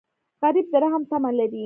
غریب د رحم تمه لري